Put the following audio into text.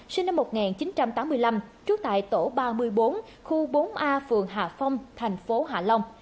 sinh năm một nghìn chín trăm tám mươi năm trú tại tổ ba mươi bốn khu bốn a phường hà phong thành phố hạ long